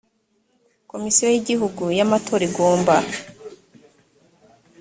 komisiyo y igihugu y amatora igomba